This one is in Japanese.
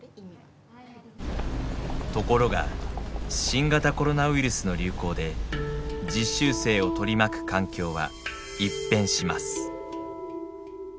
ところが新型コロナウイルスの流行で実習生を取り巻く環境は一変します。